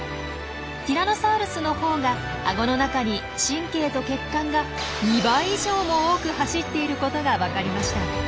ティラノサウルスのほうがアゴの中に神経と血管が２倍以上も多く走っていることが分かりました。